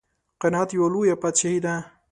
قناعت یوه لویه بادشاهي ده.